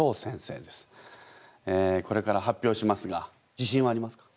えこれから発表しますが自信はありますか？